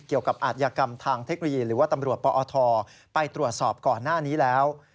อาทยากรรมทางเทคโนโลยีหรือว่าตำรวจปอทไปตรวจสอบก่อนหน้านี้แล้ว